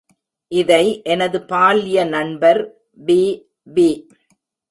இதை எனது பால்ய நண்பர் வி.வி.